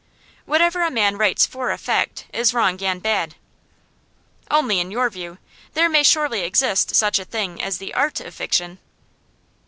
Whatever a man writes FOR EFFECT is wrong and bad.' 'Only in your view. There may surely exist such a thing as the ART of fiction.